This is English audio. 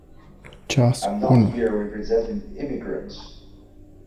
I am not here representing immigrants.